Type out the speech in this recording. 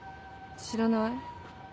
知らない？